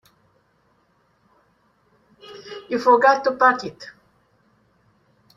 You forgot to pack it.